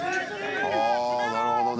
あ、なるほどね。